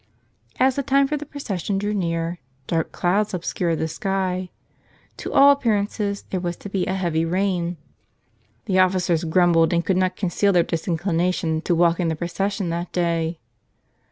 As the time for the procession drew near, dark clouds obscured the sky. To all appearances there was to be a heavy rain. The officers grumbled and could not conceal their disinclination to walk in the procession that day.